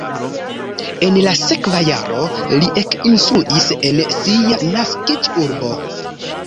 En la sekva jaro li ekinstruis en sia naskiĝurbo.